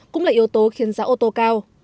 cũng là yếu tố khiến giá ô tô cao